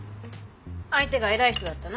相手が偉い人だったの？